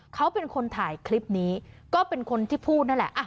เขาเป็นคนถ่ายคลิปนี้ก็เป็นคนที่พูดนั่นแหละ